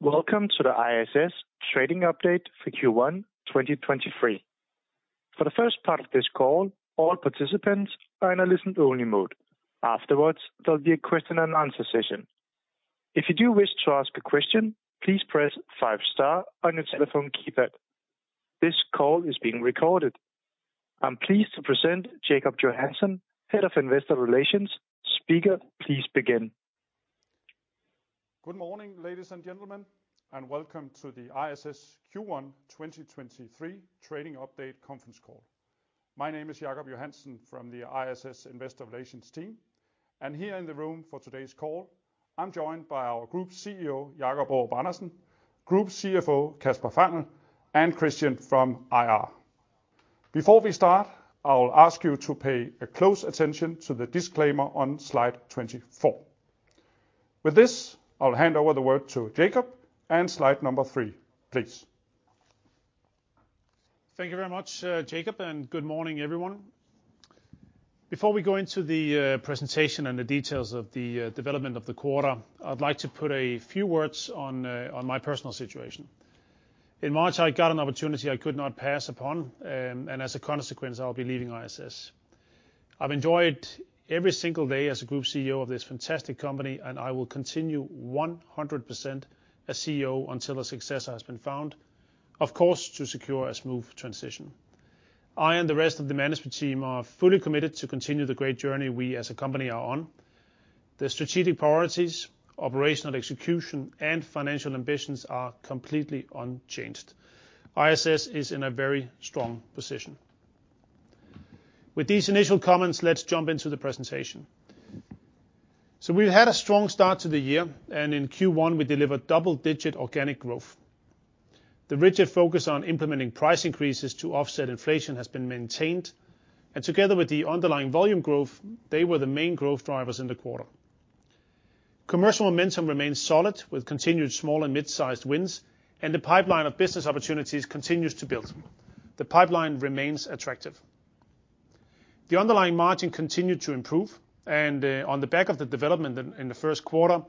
Welcome to the ISS trading update for Q1 2023. For the first part of this call, all participants are in a listen only mode. Afterwards, there'll be a Q&A session. If you do wish to ask a question, please press star on your telephone keypad. This call is being recorded. I'm pleased to present Jacob Johansen, Head of Investor Relations. Speaker, please begin. Good morning, ladies and gentlemen, and welcome to the ISS Q1 2023 trading update conference call. My name is Jacob Johansen from the ISS Investor Relations team, and here in the room for today's call, I'm joined by our Group CEO, Jacob Aarup-Andersen, Group CFO, Kasper Fangel, and Christian from IR. Before we start, I will ask you to pay a close attention to the disclaimer on slide 24. With this, I'll hand over the word to Jacob, and slide number 3, please. Thank you very much, Jacob, and good morning, everyone. Before we go into the presentation and the details of the development of the quarter, I'd like to put a few words on my personal situation. In March, I got an opportunity I could not pass upon, and as a consequence, I'll be leaving ISS. I've enjoyed every single day as a Group CEO of this fantastic company, and I will continue 100% as CEO until a successor has been found, of course, to secure a smooth transition. I and the rest of the management team are fully committed to continue the great journey we as a company are on. The strategic priorities, operational execution, and financial ambitions are completely unchanged. ISS is in a very strong position. With these initial comments, let's jump into the presentation. We've had a strong start to the year, and in Q1, we delivered double-digit organic growth. The rigid focus on implementing price increases to offset inflation has been maintained, and together with the underlying volume growth, they were the main growth drivers in the quarter. Commercial momentum remains solid with continued small and mid-sized wins, and the pipeline of business opportunities continues to build. The pipeline remains attractive. The underlying margin continued to improve, and on the back of the development in the first quarter,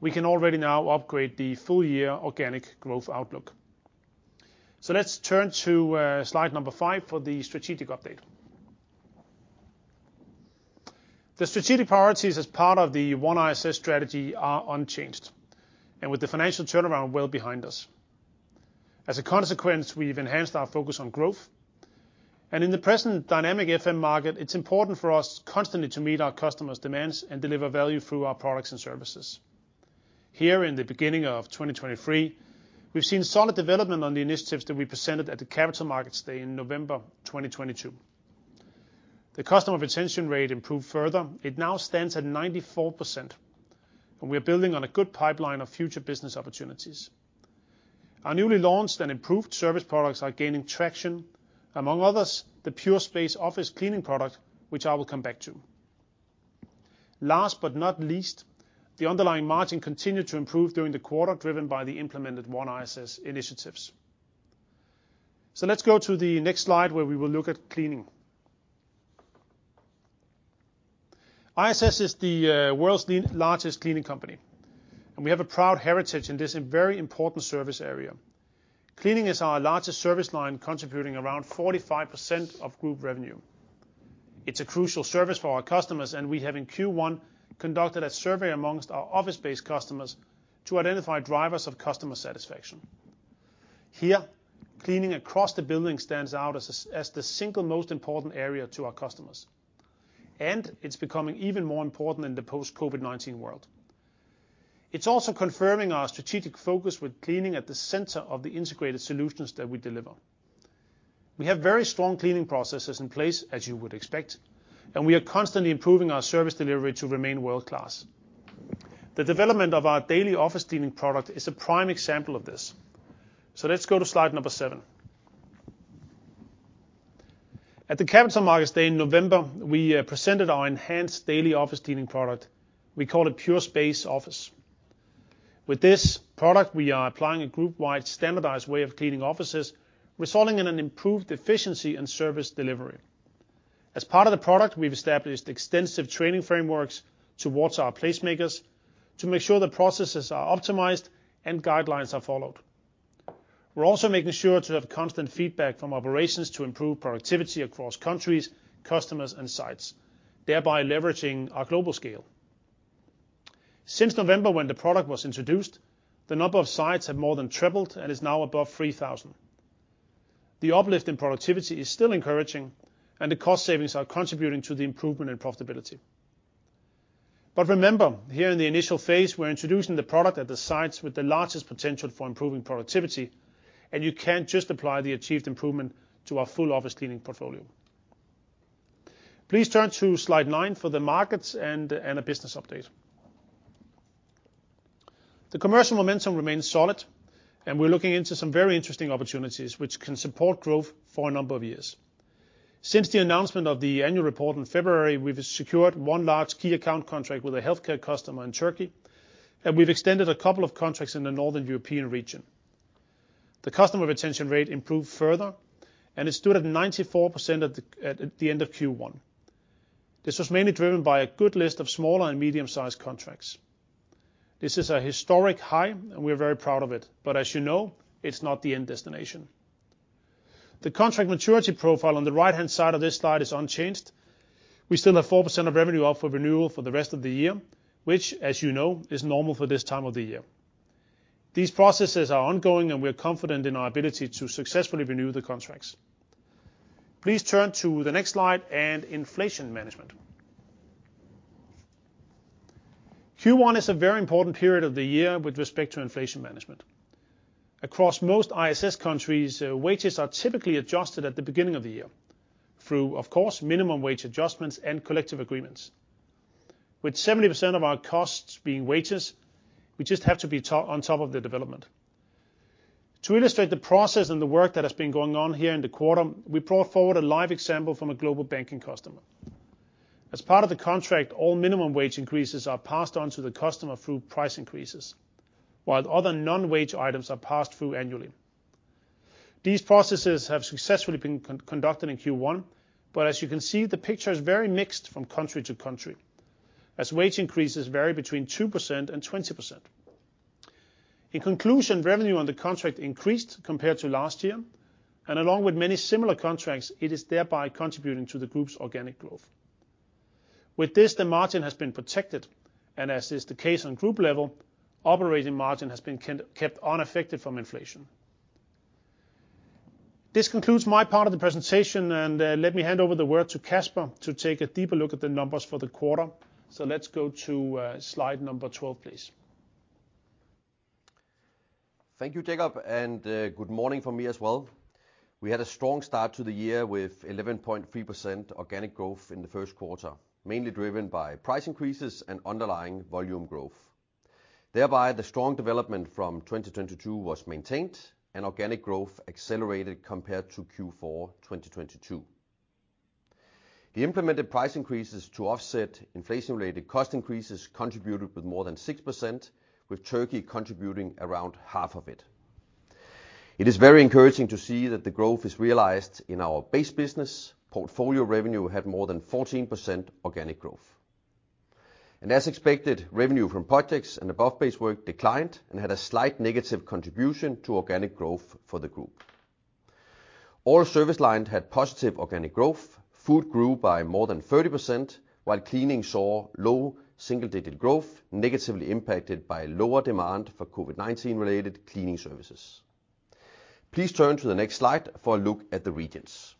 we can already now upgrade the full year organic growth outlook. Let's turn to slide number 5 for the strategic update. The strategic priorities as part of the OneISS strategy are unchanged, and with the financial turnaround well behind us. As a consequence, we've enhanced our focus on growth. In the present dynamic FM market, it's important for us constantly to meet our customers' demands and deliver value through our products and services. Here in the beginning of 2023, we've seen solid development on the initiatives that we presented at the Capital Markets Day in November 2022. The customer retention rate improved further. It now stands at 94%, and we're building on a good pipeline of future business opportunities. Our newly launched and improved service products are gaining traction, among others, the Pure Space office cleaning product, which I will come back to. Last but not least, the underlying margin continued to improve during the quarter, driven by the implemented OneISS initiatives. Let's go to the next slide, where we will look at cleaning. ISS is the world's largest cleaning company, and we have a proud heritage in this very important service area. Cleaning is our largest service line, contributing around 45% of group revenue. It's a crucial service for our customers, and we have in Q1 conducted a survey among our office-based customers to identify drivers of customer satisfaction. Here, cleaning across the building stands out as the single most important area to our customers, and it's becoming even more important in the post COVID-19 world. It's also confirming our strategic focus with cleaning at the center of the integrated solutions that we deliver. We have very strong cleaning processes in place, as you would expect, and we are constantly improving our service delivery to remain world-class. The development of our daily office cleaning product is a prime example of this. Let's go to slide number 7. At the Capital Markets Day in November, we presented our enhanced daily office cleaning product. We call it Pure Space Office. With this product, we are applying a group-wide standardized way of cleaning offices, resulting in an improved efficiency and service delivery. As part of the product, we've established extensive training frameworks towards our placemakers to make sure the processes are optimized and guidelines are followed. We're also making sure to have constant feedback from operations to improve productivity across countries, customers, and sites, thereby leveraging our global scale. Since November when the product was introduced, the number of sites have more than tripled and is now above 3,000. The uplift in productivity is still encouraging, and the cost savings are contributing to the improvement in profitability. Remember, here in the initial phase, we're introducing the product at the sites with the largest potential for improving productivity, and you can't just apply the achieved improvement to our full office cleaning portfolio. Please turn to slide 9 for the markets and a business update. The commercial momentum remains solid, we're looking into some very interesting opportunities which can support growth for a number of years. Since the announcement of the annual report in February, we've secured 1 large key account contract with a healthcare customer in Turkey. We've extended a couple of contracts in the Northern European region. The customer retention rate improved further, it stood at 94% at the end of Q1. This was mainly driven by a good list of small and medium-sized contracts. This is a historic high. We're very proud of it, as you know, it's not the end destination. The contract maturity profile on the right-hand side of this slide is unchanged. We still have 4% of revenue up for renewal for the rest of the year, which, as you know, is normal for this time of the year. These processes are ongoing. We're confident in our ability to successfully renew the contracts. Please turn to the next slide. Inflation management. Q1 is a very important period of the year with respect to inflation management. Across most ISS countries, wages are typically adjusted at the beginning of the year through, of course, minimum wage adjustments and collective agreements. With 70% of our costs being wages, we just have to be on top of the development. To illustrate the process and the work that has been going on here in the quarter, we brought forward a live example from a global banking customer. As part of the contract, all minimum wage increases are passed on to the customer through price increases, while other non-wage items are passed through annually. These processes have successfully been conducted in Q1, but as you can see, the picture is very mixed from country to country as wage increases vary between 2% and 20%. In conclusion, revenue on the contract increased compared to last year, and along with many similar contracts, it is thereby contributing to the group's organic growth. With this, the margin has been protected, and as is the case on group level, operating margin has been kept unaffected from inflation. This concludes my part of the presentation. Let me hand over the word to Kasper to take a deeper look at the numbers for the quarter. Let's go to slide number 12, please. Thank you, Jacob, good morning from me as well. We had a strong start to the year with 11.3% organic growth in the 1st quarter, mainly driven by price increases and underlying volume growth. Thereby, the strong development from 2022 was maintained and organic growth accelerated compared to Q4 2022. The implemented price increases to offset inflation-related cost increases contributed with more than 6%, with Turkey contributing around half of it. It is very encouraging to see that the growth is realized in our base business. Portfolio revenue had more than 14% organic growth. As expected, revenue from projects and above base work declined and had a slight negative contribution to organic growth for the group. All service lines had positive organic growth. Food grew by more than 30%, while cleaning saw low single-digit growth negatively impacted by lower demand for COVID-19 related cleaning services. Please turn to the next slide for a look at the regions.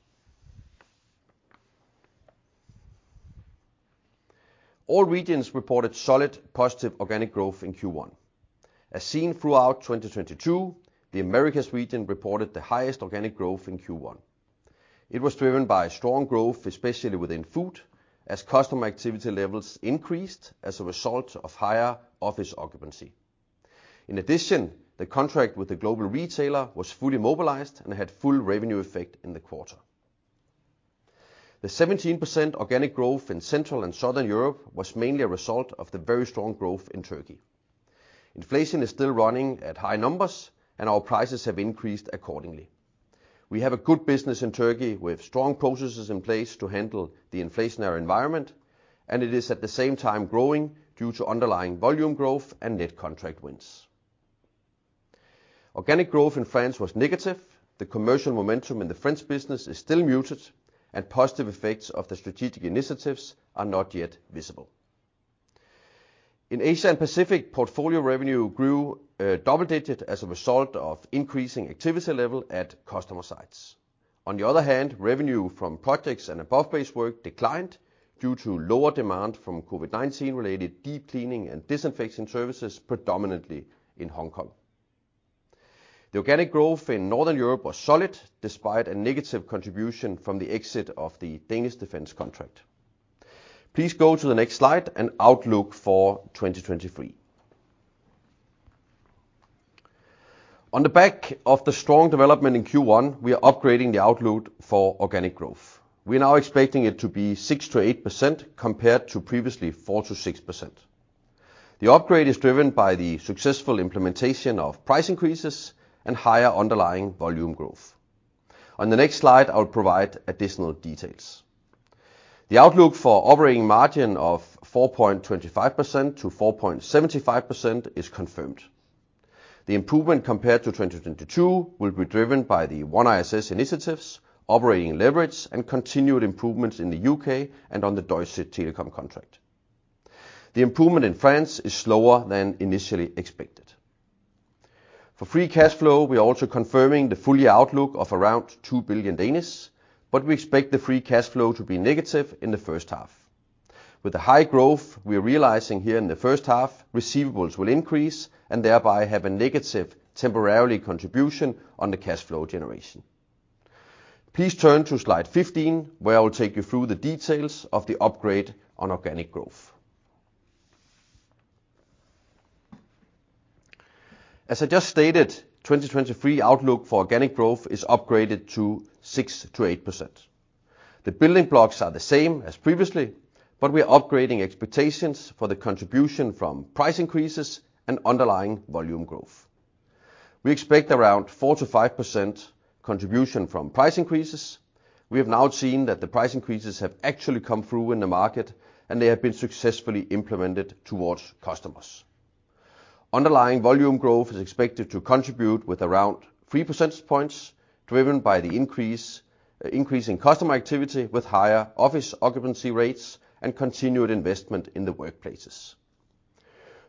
All regions reported solid positive organic growth in Q1. As seen throughout 2022, the Americas region reported the highest organic growth in Q1. It was driven by strong growth, especially within food, as customer activity levels increased as a result of higher office occupancy. In addition, the contract with the global retailer was fully mobilized and had full revenue effect in the quarter. The 17% organic growth in Central and Southern Europe was mainly a result of the very strong growth in Turkey. Inflation is still running at high numbers, our prices have increased accordingly. We have a good business in Turkey with strong processes in place to handle the inflationary environment, and it is at the same time growing due to underlying volume growth and net contract wins. Organic growth in France was negative. The commercial momentum in the French business is still muted, and positive effects of the strategic initiatives are not yet visible. In Asia and Pacific, portfolio revenue grew double digit as a result of increasing activity level at customer sites. On the other hand, revenue from projects and above base work declined due to lower demand from COVID-19 related deep cleaning and disinfecting services, predominantly in Hong Kong. The organic growth in Northern Europe was solid despite a negative contribution from the exit of the Danish Defense contract. Please go to the next slide and outlook for 2023. On the back of the strong development in Q1, we are upgrading the outlook for organic growth. We are now expecting it to be 6%-8% compared to previously 4%-6%. The upgrade is driven by the successful implementation of price increases and higher underlying volume growth. On the next slide, I will provide additional details. The outlook for operating margin of 4.25%-4.75% is confirmed. The improvement compared to 2022 will be driven by the OneISS initiatives, operating leverage, and continued improvements in the U.K. and on the Deutsche Telekom contract. The improvement in France is slower than initially expected. For free cash flow, we are also confirming the full year outlook of around 2 billion, but we expect the free cash flow to be negative in the first half. With the high growth we're realizing here in the first half, receivables will increase and thereby have a negative temporary contribution on the cash flow generation. Please turn to slide 15, where I will take you through the details of the upgrade on organic growth. As I just stated, 2023 outlook for organic growth is upgraded to 6%-8%. The building blocks are the same as previously, we're upgrading expectations for the contribution from price increases and underlying volume growth. We expect around 4%-5% contribution from price increases. We have now seen that the price increases have actually come through in the market, and they have been successfully implemented towards customers. Underlying volume growth is expected to contribute with around 3 percentage points, driven by the increase in customer activity with higher office occupancy rates and continued investment in the workplaces.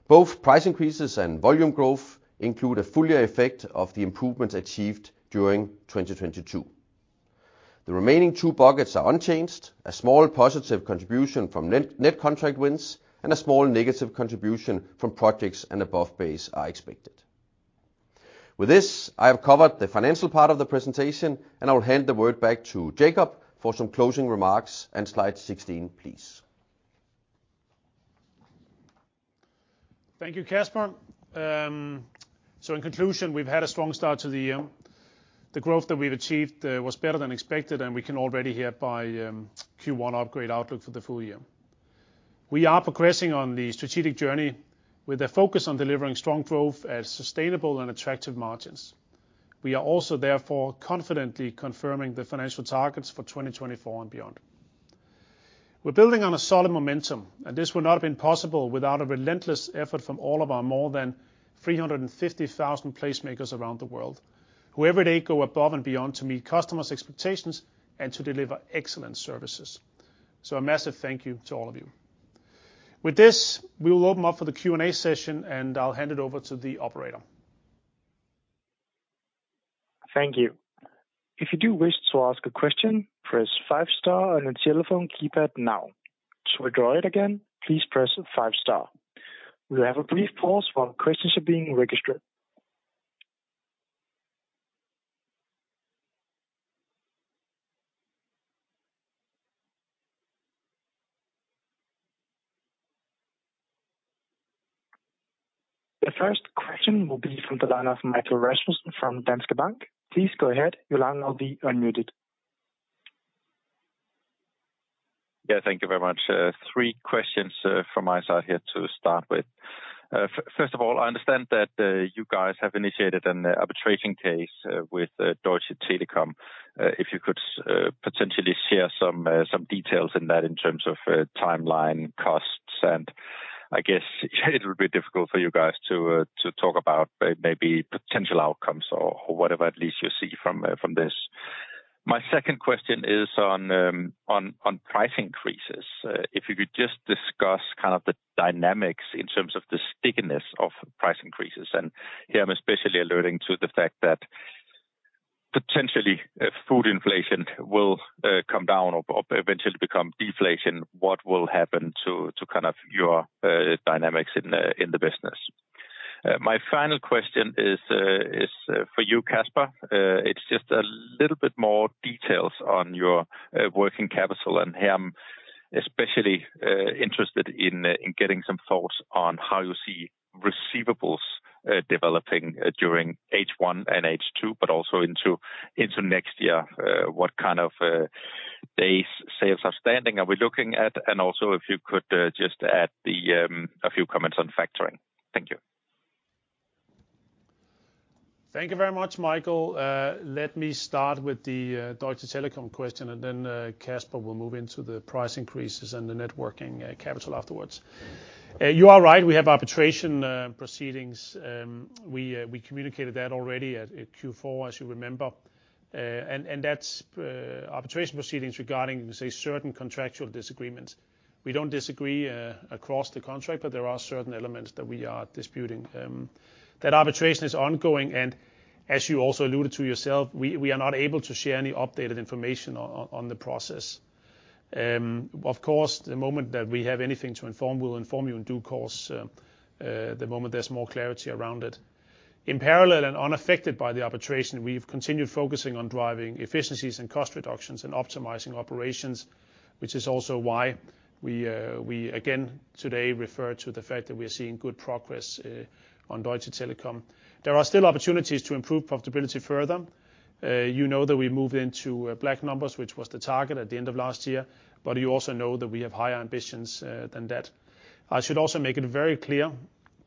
Both price increases and volume growth include a full year effect of the improvements achieved during 2022. The remaining two buckets are unchanged, a small positive contribution from net-net contract wins, and a small negative contribution from projects and above base are expected. With this, I have covered the financial part of the presentation, and I will hand the word back to Jacob for some closing remarks and slide 16, please. Thank you, Kasper. In conclusion, we've had a strong start to the year. The growth that we've achieved was better than expected, and we can already hereby Q1 upgrade outlook for the full year. We are progressing on the strategic journey with a focus on delivering strong growth at sustainable and attractive margins. We are also therefore confidently confirming the financial targets for 2024 and beyond. We're building on a solid momentum, and this would not have been possible without a relentless effort from all of our more than 350,000 placemakers around the world, who every day go above and beyond to meet customers' expectations and to deliver excellent services. A massive thank you to all of you. With this, we will open up for the Q&A session, and I'll hand it over to the operator. Thank you. If you do wish to ask a question, press five star on your telephone keypad now. To withdraw it again, please press five star. We'll have a brief pause while questions are being registered. The first question will be from the line of Michael Vitfell-Rasmussen from Danske Bank. Please go ahead. Your line will be unmuted. Yeah, thank you very much. Three questions from my side here to start with. First of all, I understand that you guys have initiated an arbitration case with Deutsche Telekom. If you could potentially share some details in that in terms of timeline, costs, and I guess it would be difficult for you guys to talk about maybe potential outcomes or whatever at least you see from this. My second question is on price increases. If you could just discuss kind of the dynamics in terms of the stickiness of price increases. Here I'm especially alluding to the fact that potentially food inflation will come down or eventually become deflation. What will happen to kind of your dynamics in the business? My final question is for you, Kasper. It's just a little bit more details on your working capital. Here I'm especially interested in getting some thoughts on how you see receivables developing during H1 and H2, but also into next year. What kind of DSOs are we looking at? Also, if you could just add a few comments on factoring. Thank you. Thank you very much, Michael. Let me start with the Deutsche Telekom question, and then Kasper will move into the price increases and the networking capital afterwards. You are right, we have arbitration proceedings. We communicated that already at Q4, as you remember. That's arbitration proceedings regarding, say, certain contractual disagreements. We don't disagree across the contract, but there are certain elements that we are disputing. That arbitration is ongoing. As you also alluded to yourself, we are not able to share any updated information on the process. Of course, the moment that we have anything to inform, we'll inform you in due course, the moment there's more clarity around it. In parallel and unaffected by the arbitration, we've continued focusing on driving efficiencies and cost reductions and optimizing operations, which is also why we again today refer to the fact that we are seeing good progress on Deutsche Telekom. There are still opportunities to improve profitability further. You know that we moved into black numbers, which was the target at the end of last year, but you also know that we have higher ambitions than that. I should also make it very clear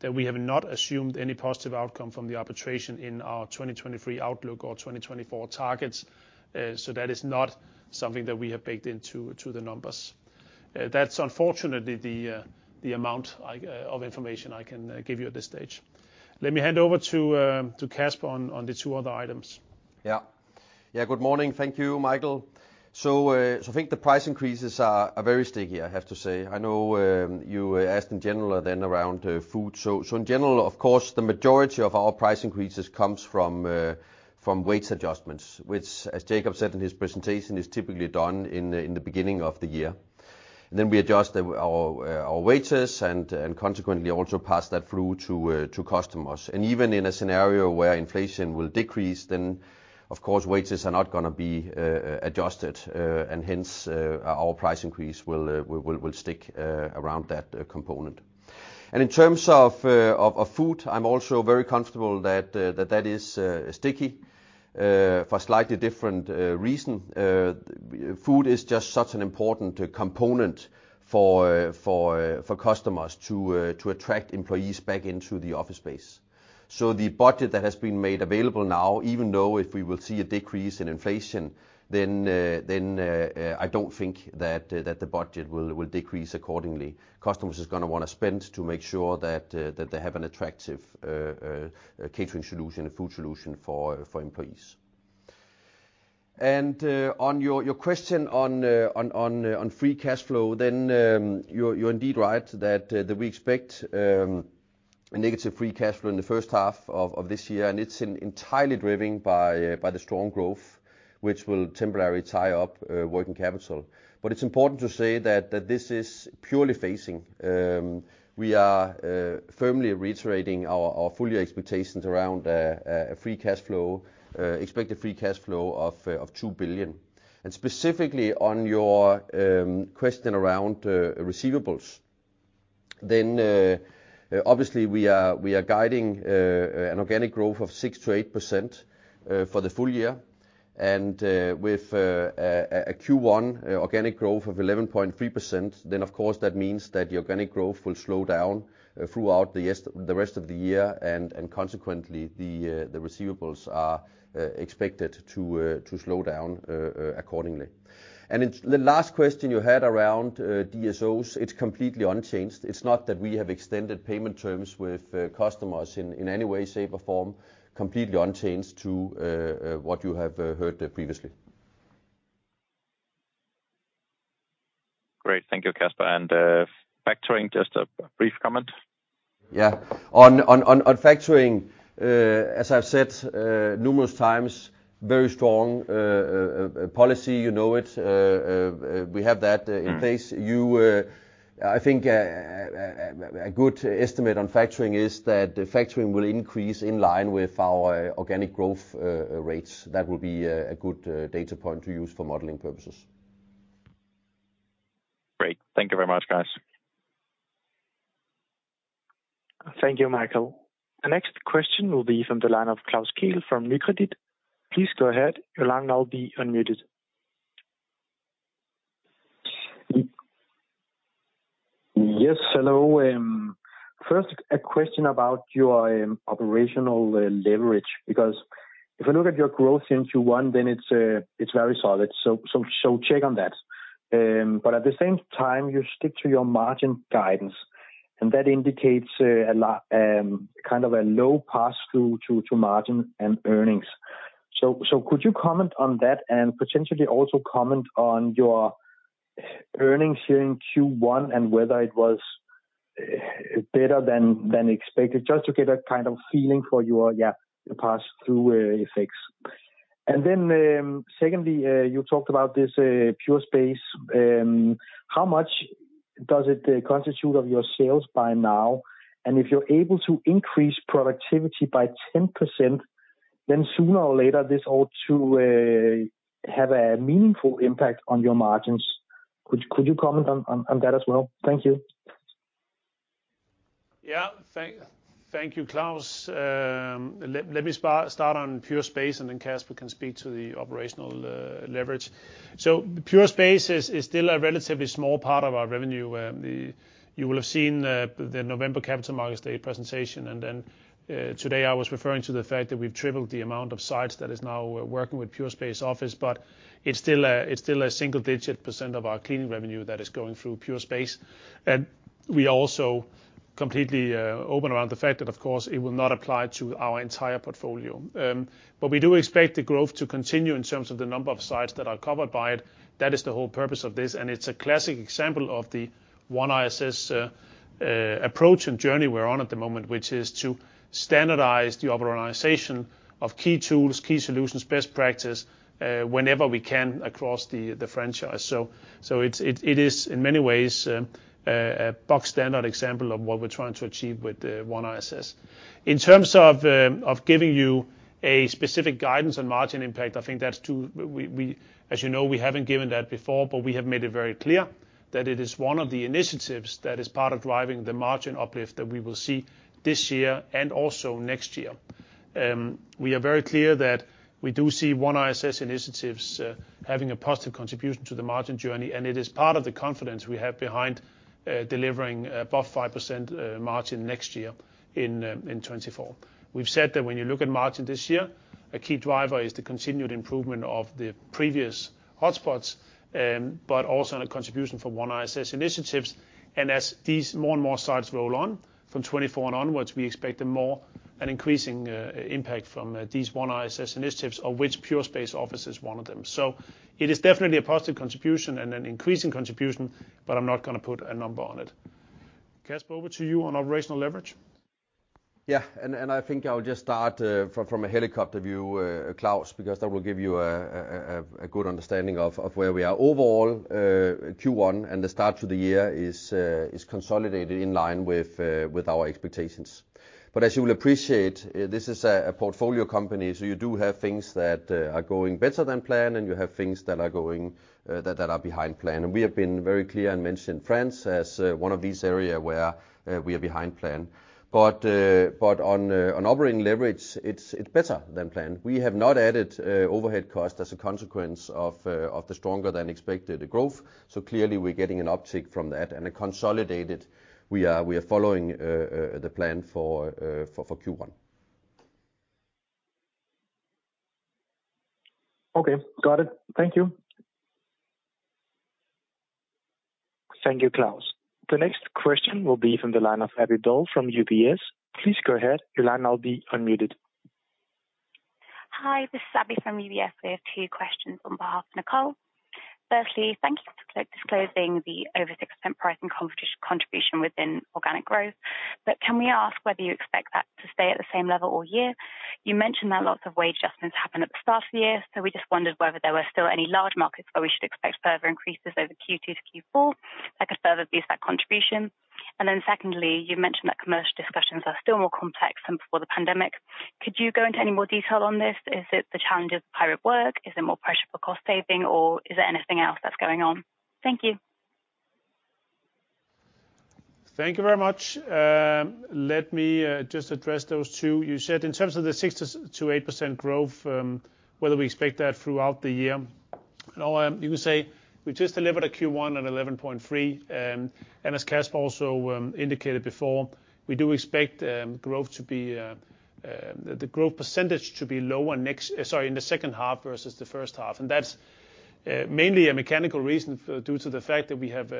that we have not assumed any positive outcome from the arbitration in our 2023 outlook or 2024 targets. That is not something that we have baked into the numbers. That's unfortunately the amount I of information I can give you at this stage. Let me hand over to Kasper on the two other items. Yeah, good morning. Thank you, Michael. I think the price increases are very sticky, I have to say. I know, you asked in general then around food. In general, of course, the majority of our price increases comes from wage adjustments, which, as Jacob said in his presentation, is typically done in the beginning of the year. We adjust our wages and consequently also pass that through to customers. Even in a scenario where inflation will decrease, then of course wages are not gonna be adjusted. Hence, our price increase will stick around that component. In terms of food, I'm also very comfortable that that is sticky for slightly different reason. Food is just such an important component for customers to attract employees back into the office space. The budget that has been made available now, even though if we will see a decrease in inflation, then I don't think that the budget will decrease accordingly. Customers is gonna wanna spend to make sure that they have an attractive catering solution, a food solution for employees. On your question on free cash flow, then you're indeed right that we expect negative free cash flow in the first half of this year, and it's entirely driven by the strong growth, which will temporarily tie up working capital. It's important to say that this is purely phasing. We are firmly reiterating our full year expectations around free cash flow, expected free cash flow of 2 billion. Specifically on your question around receivables, obviously we are guiding an organic growth of 6%-8% for the full year. With a Q1 organic growth of 11.3%, then of course, that means that the organic growth will slow down throughout the rest of the year, consequently, the receivables are expected to slow down accordingly. The last question you had around DSOs, it's completely unchanged. It's not that we have extended payment terms with customers in any way, shape, or form. Completely unchanged to what you have heard previously. Great. Thank you, Kasper. Factoring, just a brief comment. On factoring, as I've said numerous times, very strong policy, you know it. We have that in place. I think a good estimate on factoring is that the factoring will increase in line with our organic growth rates. That will be a good data point to use for modeling purposes. Great. Thank you very much, guys. Thank you, Michael. The next question will be from the line of Klaus Kehl from Nykredit. Please go ahead. Your line will now be unmuted. Yes, hello. First, a question about your operational leverage, because if you look at your growth in Q1, then it's very solid. Check on that. At the same time, you stick to your margin guidance, and that indicates a lot, kind of a low pass-through to margin and earnings. Could you comment on that and potentially also comment on your earnings here in Q1 and whether it was better than expected, just to get a kind of feeling for your, yeah, pass-through effects? Secondly, you talked about this Pure Space. How much does it constitute of your sales by now? If you're able to increase productivity by 10%, then sooner or later, this ought to have a meaningful impact on your margins. Could you comment on that as well? Thank you. Yeah. Thank you, Klaus. Let me start on Pure Space, then Kasper can speak to the operational leverage. Pure Space is still a relatively small part of our revenue. You will have seen the November Capital Markets Day presentation, then today I was referring to the fact that we've tripled the amount of sites that is now working with Pure Space office, it's still a single-digit % of our cleaning revenue that is going through Pure Space. We also completely open around the fact that of course it will not apply to our entire portfolio. We do expect the growth to continue in terms of the number of sites that are covered by it. That is the whole purpose of this. It's a classic example of the OneISS approach and journey we're on at the moment, which is to standardize the organization of key tools, key solutions, best practice, whenever we can across the franchise. It is in many ways a box standard example of what we're trying to achieve with the OneISS. In terms of giving you a specific guidance on margin impact, I think that's too. We, as you know, we haven't given that before. But we have made it very clear that it is one of the initiatives that is part of driving the margin uplift that we will see this year and also next year. We are very clear that we do see OneISS initiatives having a positive contribution to the margin journey. It is part of the confidence we have behind delivering above 5% margin next year in 2024. We've said that when you look at margin this year, a key driver is the continued improvement of the previous hotspots, also in a contribution from OneISS initiatives. As these more and more sites roll on from 2024 and onwards, we expect a more and increasing impact from these OneISS initiatives, of which Pure Space is one of them. It is definitely a positive contribution and an increasing contribution. I'm not gonna put a number on it. Kasper, over to you on operational leverage. Yeah, I think I'll just start from a helicopter view, Klaus, because that will give you a good understanding of where we are. Overall, Q1 and the start to the year is consolidated in line with our expectations. As you will appreciate, this is a portfolio company, so you do have things that are going better than planned, and you have things that are going that are behind plan. We have been very clear and mentioned France as one of these area where we are behind plan. On operating leverage, it's better than planned. We have not added overhead costs as a consequence of the stronger than expected growth, so clearly we're getting an uptick from that. Consolidated, we are following the plan for Q1. Okay. Got it. Thank you. Thank you, Klaus. The next question will be from the line of Abby Dole from UBS. Please go ahead. Your line will now be unmuted. Hi, this is Abby from UBS. We have 2 questions on behalf of Nicole. Thank you for disclosing the over 6% pricing contribution within organic growth. Can we ask whether you expect that to stay at the same level all year? You mentioned that lots of wage adjustments happened at the start of the year, we just wondered whether there were still any large markets where we should expect further increases over Q2 to Q4 that could further boost that contribution. Secondly, you mentioned that commercial discussions are still more complex than before the pandemic. Could you go into any more detail on this? Is it the challenges of hybrid work? Is there more pressure for cost saving, or is there anything else that's going on? Thank you. Thank you very much. Let me just address those two. You said in terms of the 6%-8% growth, whether we expect that throughout the year. You can say, we just delivered a Q1 at 11.3. As Kasper also indicated before, we do expect growth to be the growth percentage to be lower in the second half versus the first half. That's mainly a mechanical reason due to the fact that we have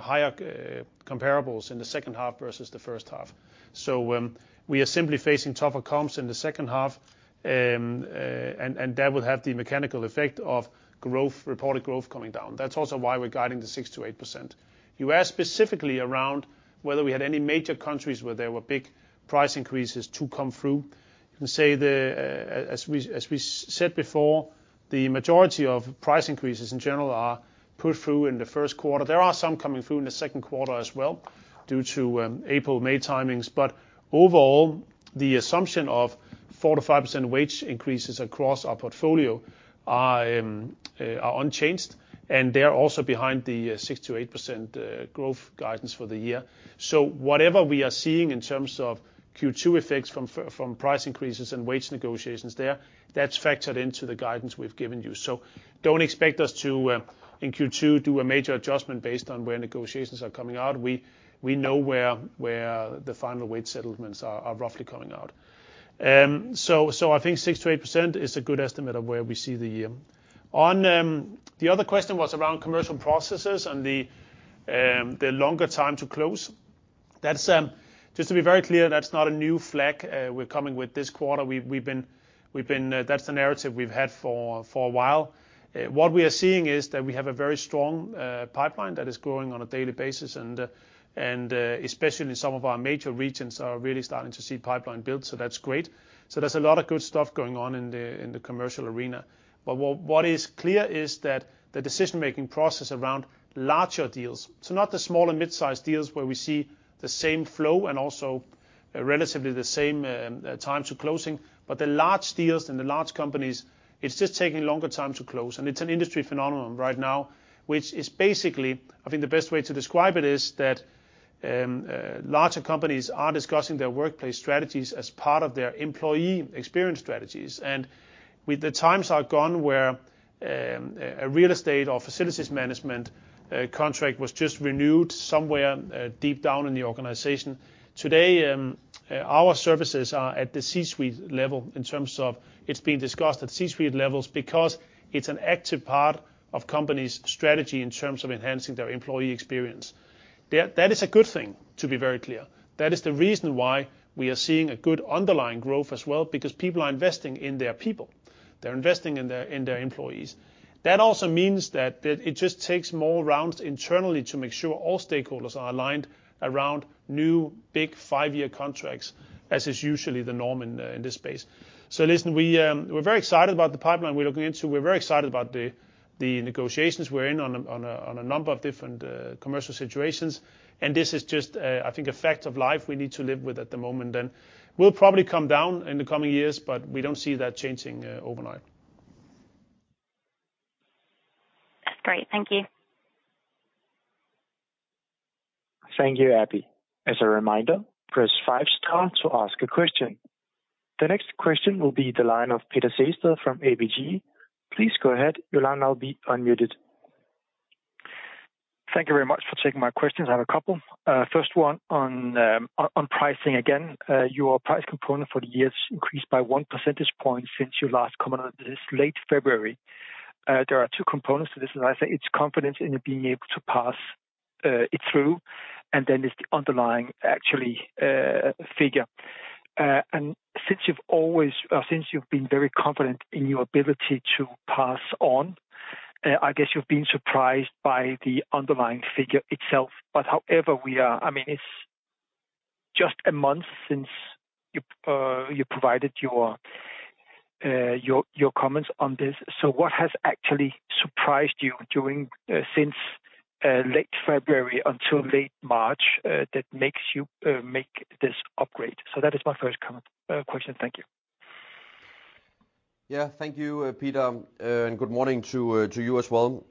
higher comparables in the second half versus the first half. We are simply facing tougher comps in the second half. That will have the mechanical effect of growth, reported growth coming down. That's also why we're guiding the 6%-8%. You asked specifically around whether we had any major countries where there were big price increases to come through. I can say, as we said before, the majority of price increases in general are put through in the first quarter. There are some coming through in the second quarter as well due to April/May timings. Overall, the assumption of 4%-5% wage increases across our portfolio are unchanged, and they're also behind the 6%-8% growth guidance for the year. Whatever we are seeing in terms of Q2 effects from price increases and wage negotiations there, that's factored into the guidance we've given you. Don't expect us to in Q2, do a major adjustment based on where negotiations are coming out. We know where the final wage settlements are roughly coming out. I think 6%-8% is a good estimate of where we see the year. The other question was around commercial processes and the longer time to close. That's just to be very clear, that's not a new flag we're coming with this quarter. We've been, that's the narrative we've had for a while. What we are seeing is that we have a very strong pipeline that is growing on a daily basis, and especially some of our major regions are really starting to see pipeline build, so that's great. There's a lot of good stuff going on in the commercial arena. What is clear is that the decision-making process around larger deals, so not the small and mid-sized deals where we see the same flow and also relatively the same time to closing. The large deals and the large companies, it's just taking a longer time to close, and it's an industry phenomenon right now, which is basically. I think the best way to describe it is that larger companies are discussing their workplace strategies as part of their employee experience strategies. With the times are gone, where a real estate or facilities management contract was just renewed somewhere deep down in the organization. Today, our services are at the C-suite level in terms of it's being discussed at C-suite levels because it's an active part of companies' strategy in terms of enhancing their employee experience. That is a good thing, to be very clear. That is the reason why we are seeing a good underlying growth as well, because people are investing in their people. They're investing in their employees. That also means that it just takes more rounds internally to make sure all stakeholders are aligned around new big five-year contracts, as is usually the norm in this space. Listen, we're very excited about the pipeline we're looking into. We're very excited about the negotiations we're in on a number of different commercial situations. This is just a, I think a fact of life we need to live with at the moment. Will probably come down in the coming years, but we don't see that changing overnight. That's great. Thank you. Thank you, Abby. As a reminder, press five star to ask a question. The next question will be the line of Peter Sehested from ABG. Please go ahead. Your line now will be unmuted. Thank you very much for taking my questions. I have a couple. First one on pricing again. Your price component for the year has increased by 1 percentage point since you last commented this late February. There are 2 components to this, and I think it's confidence in you being able to pass it through, and then it's the underlying actually figure. Since you've been very confident in your ability to pass on, I guess you've been surprised by the underlying figure itself. I mean, it's just a month since you provided your comments on this. What has actually surprised you during since late February until late March that makes you make this upgrade? That is my first comment, question. Thank you. Yeah. Thank you, Peter, and good morning to you as well.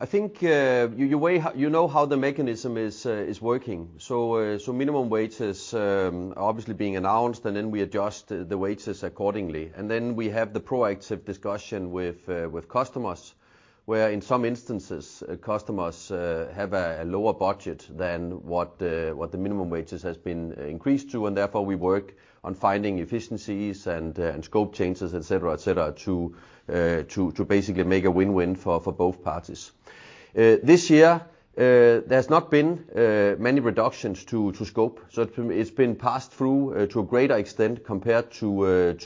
I think, you know how the mechanism is working. Minimum wage is obviously being announced, and then we adjust the wages accordingly. We have the proactive discussion with customers, where in some instances, customers have a lower budget than what the minimum wages has been increased to, and therefore we work on finding efficiencies and scope changes, et cetera, et cetera, to basically make a win-win for both parties. This year, there's not been many reductions to scope. It's been passed through to a greater extent compared to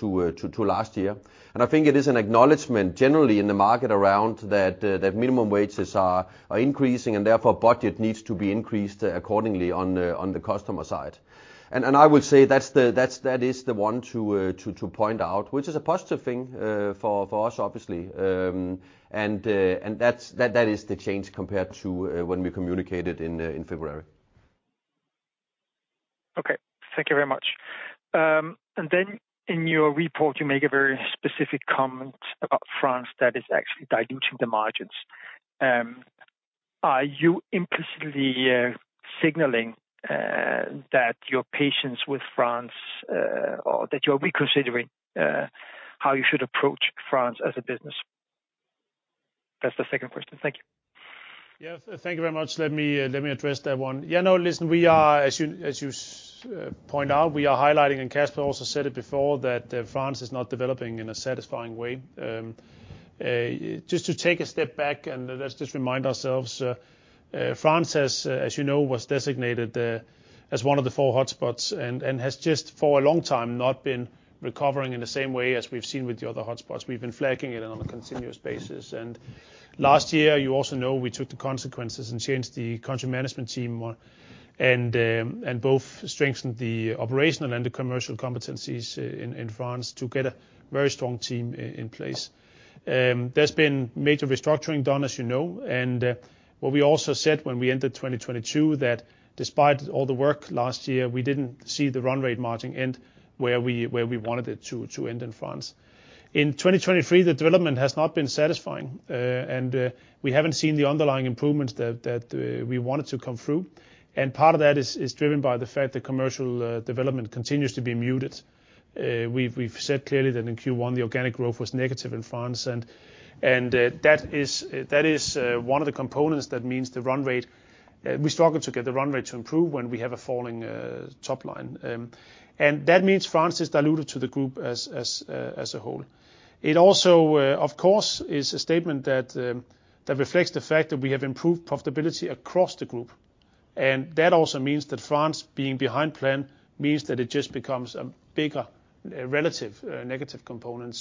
last year. I think it is an acknowledgment generally in the market around that minimum wages are increasing, and therefore budget needs to be increased accordingly on the customer side. I would say that's the, that is the one to point out, which is a positive thing for us, obviously. That's, that is the change compared to when we communicated in February. Okay. Thank you very much. In your report, you make a very specific comment about France that is actually diluting the margins. Are you implicitly signaling that your patience with France or that you're reconsidering how you should approach France as a business? That's the second question. Thank you. Yes. Thank you very much. Let me address that one. No, listen, we are, as you point out, we are highlighting, and Kasper also said it before, that France is not developing in a satisfying way. Just to take a step back, and let's just remind ourselves, France has, as you know, was designated as one of the four hotspots and has just, for a long time, not been recovering in the same way as we've seen with the other hotspots. We've been flagging it on a continuous basis. Last year, you also know we took the consequences and changed the country management team more and both strengthened the operational and the commercial competencies in France to get a very strong team in place. There's been major restructuring done, as you know. What we also said when we entered 2022, that despite all the work last year, we didn't see the run rate margin end where we wanted it to end in France. In 2023, the development has not been satisfying, and we haven't seen the underlying improvements that we wanted to come through. Part of that is driven by the fact that commercial development continues to be muted. We've said clearly that in Q1, the organic growth was negative in France. That is one of the components that means the run rate, we struggle to get the run rate to improve when we have a falling top line. That means France is diluted to the group as a whole. It also, of course, is a statement that reflects the fact that we have improved profitability across the group. That also means that France being behind plan means that it just becomes a bigger, relative, negative component.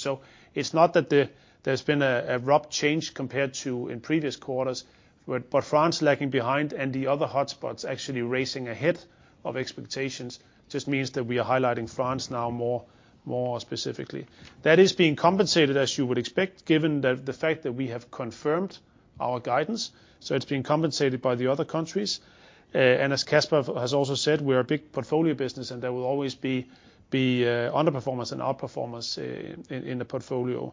It's not that there's been a rough change compared to in previous quarters, but France lagging behind and the other hotspots actually racing ahead of expectations just means that we are highlighting France now more specifically. That is being compensated, as you would expect, given the fact that we have confirmed our guidance. It's being compensated by the other countries. As Kasper Fangel has also said, we're a big portfolio business and there will always be underperformance and outperformance in the portfolio.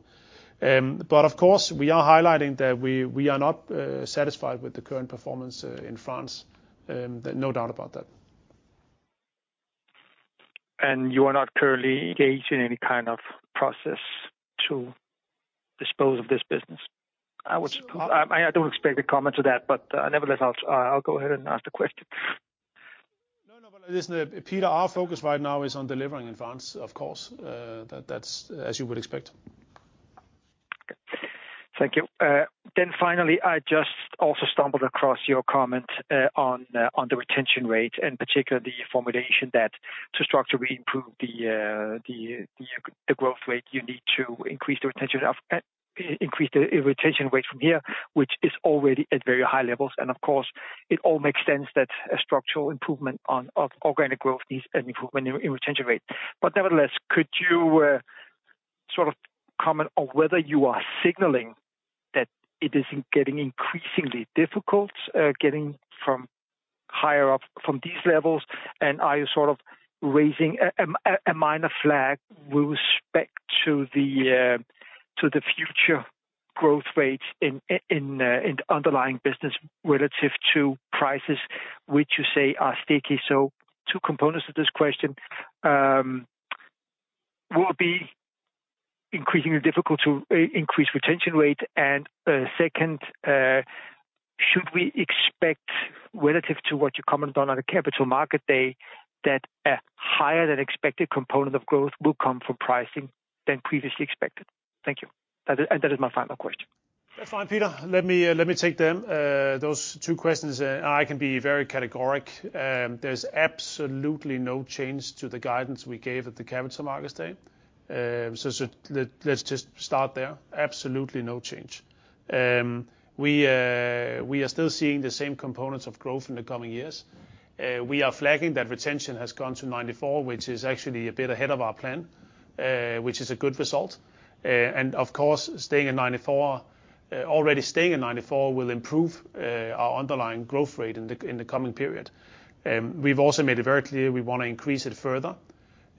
Of course, we are highlighting that we are not satisfied with the current performance in France. No doubt about that. You are not currently engaged in any kind of process to dispose of this business, I would suppose. I don't expect a comment to that, but, nevertheless, I'll go ahead and ask the question. No, no, but listen, Peter, our focus right now is on delivering in France, of course. That, that's as you would expect. Thank you. Finally, I just also stumbled across your comment on the retention rate, and particularly the formulation that to structurally improve the growth rate, you need to increase the retention rate from here, which is already at very high levels. Of course, it all makes sense that a structural improvement on organic growth needs an improvement in retention rate. Nevertheless, could you sort of comment on whether you are signaling that it is getting increasingly difficult getting from higher up from these levels? Are you sort of raising a minor flag with respect to the future growth rates in underlying business relative to prices which you say are sticky? Two components to this question. Will it be increasingly difficult to increase retention rate? Second, should we expect, relative to what you commented on the Capital Markets Day, that a higher than expected component of growth will come from pricing than previously expected? Thank you. That is my final question. That's fine, Peter Sehested. Let me, let me take them, those two questions. I can be very categoric. There's absolutely no change to the guidance we gave at the Capital Markets Day. Let's just start there. Absolutely no change. We are still seeing the same components of growth in the coming years. We are flagging that retention has gone to 94%, which is actually a bit ahead of our plan, which is a good result. Of course, already staying at 94% will improve our underlying growth rate in the coming period. We've also made it very clear we wanna increase it further.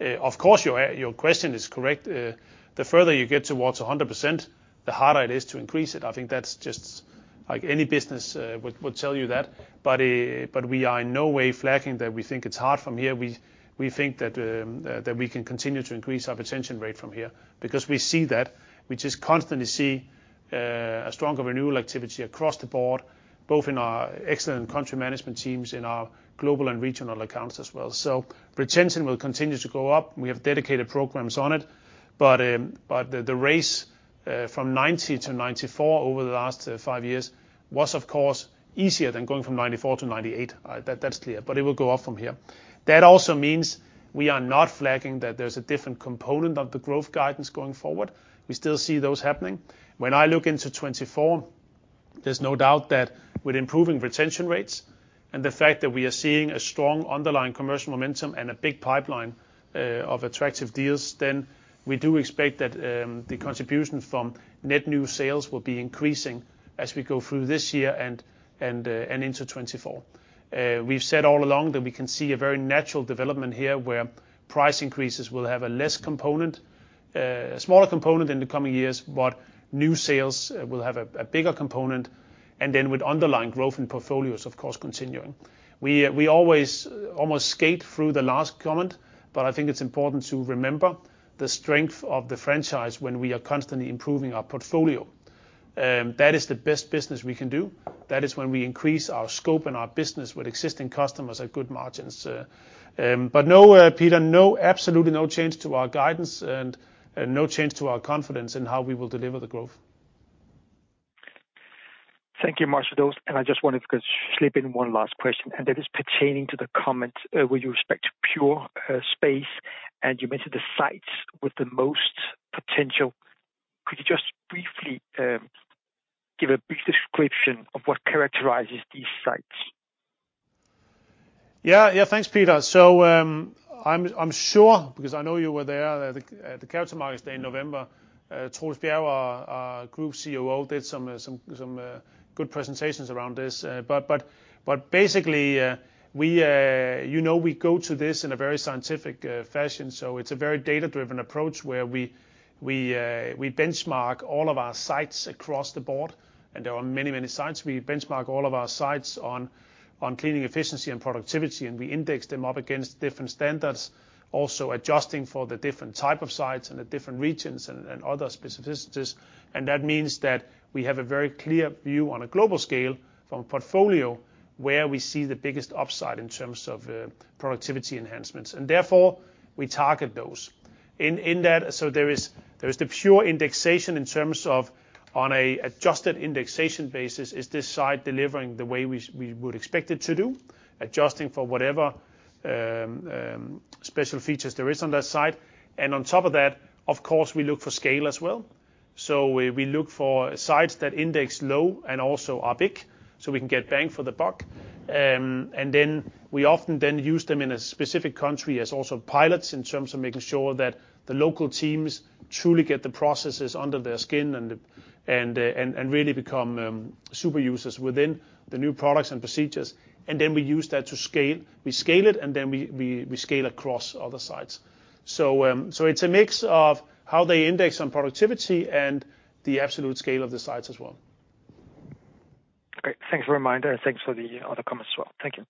Of course, your question is correct. The further you get towards 100%, the harder it is to increase it. I think that's just like any business would tell you that. We are in no way flagging that we think it's hard from here. We think that we can continue to increase our retention rate from here because we see that. We just constantly see a stronger renewal activity across the board, both in our excellent country management teams, in our global and regional accounts as well. Retention will continue to go up. We have dedicated programs on it. The race from 90 to 94 over the last 5 years was, of course, easier than going from 94 to 98. That's clear. It will go up from here. That also means we are not flagging that there's a different component of the growth guidance going forward. We still see those happening. I look into 2024, there's no doubt that with improving retention rates and the fact that we are seeing a strong underlying commercial momentum and a big pipeline of attractive deals, then we do expect that the contribution from net new sales will be increasing as we go through this year and into 2024. We've said all along that we can see a very natural development here, where price increases will have a less component, a smaller component in the coming years, but new sales will have a bigger component, and then with underlying growth in portfolios, of course, continuing. We always almost skate through the last comment, but I think it's important to remember the strength of the franchise when we are constantly improving our portfolio. That is the best business we can do. That is when we increase our scope and our business with existing customers at good margins. No, Peter, no, absolutely no change to our guidance and no change to our confidence in how we will deliver the growth. Thank you, Jacob. I just wanted to slip in one last question, and that is pertaining to the comment, with respect to Pure Space, and you mentioned the sites with the most potential. Could you just briefly, give a brief description of what characterizes these sites? Yeah. Thanks, Peter. I'm sure, because I know you were there at the Capital Markets Day in November, Troels Bjerg, our Group COO, did some good presentations around this. Basically, you know, we go to this in a very scientific fashion, so it's a very data-driven approach where we benchmark all of our sites across the board. There are many sites. We benchmark all of our sites on cleaning efficiency and productivity, and we index them up against different standards, also adjusting for the different type of sites and the different regions and other specificities. That means that we have a very clear view on a global scale from a portfolio where we see the biggest upside in terms of productivity enhancements. Therefore, we target those. In that, so there is the pure indexation in terms of on an adjusted indexation basis, is this site delivering the way we would expect it to do, adjusting for whatever special features there is on that site. On top of that, of course, we look for scale as well. We look for sites that index low and also are big, so we can get bang for the buck. Then we often then use them in a specific country as also pilots in terms of making sure that the local teams truly get the processes under their skin and the, and really become super users within the new products and procedures. Then we use that to scale. We scale it, then we scale across other sites. It's a mix of how they index on productivity and the absolute scale of the sites as well. Great. Thanks for the reminder, and thanks for the other comments as well. Thank you.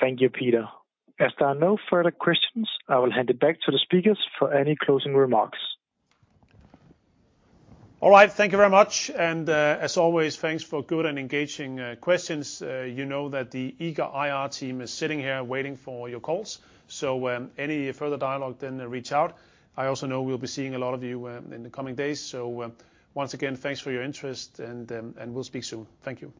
Thank you, Peter. As there are no further questions, I will hand it back to the speakers for any closing remarks. All right. Thank you very much. As always, thanks for good and engaging questions. You know that the eager IR team is sitting here waiting for your calls. Any further dialogue, then reach out. I also know we'll be seeing a lot of you in the coming days. Once again, thanks for your interest, and we'll speak soon. Thank you.